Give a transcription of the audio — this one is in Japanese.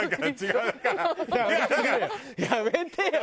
やめてよ！